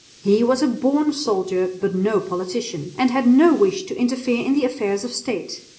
He was a born soldier, but no politician, and had no wish to interfere in affairs of State.